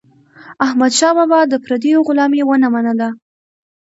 احمدشاه بابا د پردیو غلامي ونه منله.